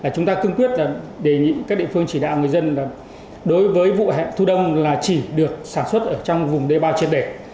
chúng ta cưng quyết đề nghị các địa phương chỉ đạo người dân là đối với vụ hẹn thu đông là chỉ được sản xuất trong vùng đê bao triệt đề